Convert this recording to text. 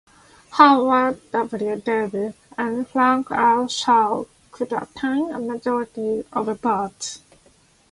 Howard W. Davis and Frank L. Shaw - could attain a majority of votes.